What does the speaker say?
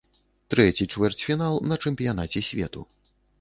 Трэці чвэрцьфінал на чэмпіянаце свету.